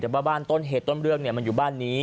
แต่ว่าบ้านต้นเหตุต้นเรื่องมันอยู่บ้านนี้